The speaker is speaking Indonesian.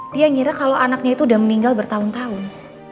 dia ngira kalau anaknya itu udah meninggal bertahun tahun